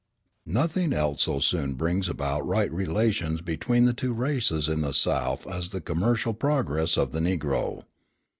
Nothing else so soon brings about right relations between the two races in the South as the commercial progress of the Negro.